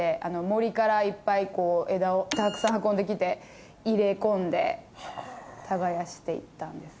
森からいっぱい枝をたくさん運んで来て入れ込んで耕して行ったんです。